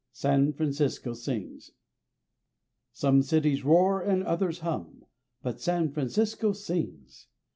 San Francisco Sings Some Cities roar and others hum, but San Francisco sings.